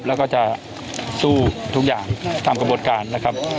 แล้วก็จะสู้ทุกอย่างตามกระบวนการนะครับ